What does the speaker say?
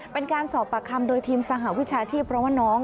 เป็นการสอบปากคำโดยทีมสหวิชาชีพเพราะว่าน้อง